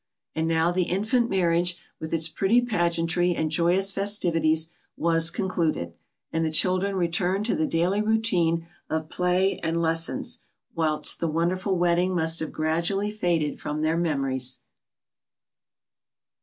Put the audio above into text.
And now the infant marriage, with its pretty pageantry and joyous festivities, was concluded, and the children returned to the daily routine of play and lessons, whilst the wonderful wedding must have gradually faded from their memories.